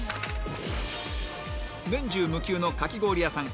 年中無休のかき氷屋さん